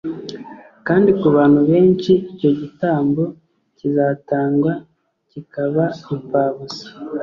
kandi ku bantu benshi icyo gitambo kizatangwa kikaba imfabusa.